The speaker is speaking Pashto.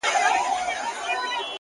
عاجزي د محبوبیت بنسټ پیاوړی کوي؛